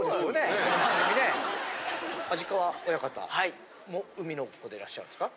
安治川親方も海の子でいらっしゃるんですか？